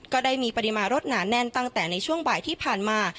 ก็ได้มีปริมาณรถหนาแน่นตั้งแต่ในช่วงบ่ายที่ผ่านมา